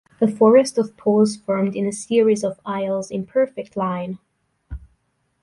A forest of poles formed a series of aisles in perfect line.